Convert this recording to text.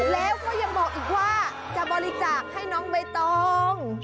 แล้วก็ยังบอกอีกว่าจะบริจาคให้น้องใบตอง